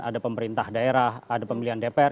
ada pemerintah daerah ada pemilihan dpr